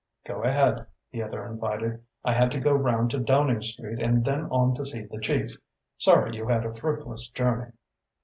"Go ahead," the other invited. "I had to go round to Downing Street and then on to see the chief. Sorry you had a fruitless journey."